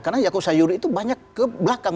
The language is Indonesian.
karena yaakob sayuri itu banyak ke belakang